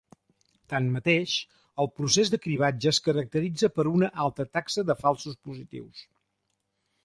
Tanmateix, el procés de cribatge es caracteritza per una alta taxa de falsos positius.